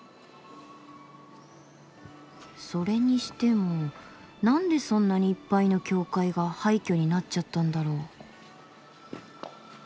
それにしてもなんでそんなにいっぱいの教会が廃虚になっちゃったんだろう？